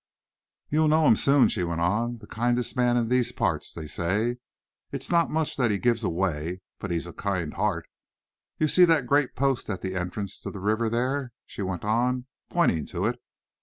"You'll know him soon," she went on, "the kindest man in these parts, they say. It's not much that he gives away, but he's a kind heart. You see that great post at the entrance to the river there?" she went on, pointing to it.